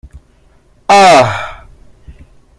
啊～